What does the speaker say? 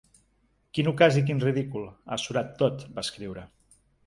Quin ocàs i quin ridícul, ha surat tot, va escriure.